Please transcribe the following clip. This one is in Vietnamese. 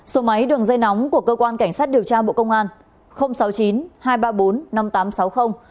số máy đường dây nóng của cơ quan cảnh sát điều tra bộ công an